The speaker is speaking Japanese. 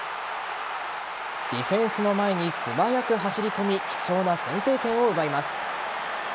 ディフェンスの前に素早く走り込み貴重な先制点を奪います。